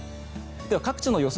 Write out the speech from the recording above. では、各地の予想